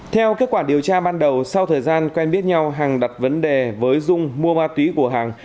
theo kết quả điều tra ban đầu sau thời gian quen biết nhau hằng đặt vấn đề với dung mua ma túy của hàng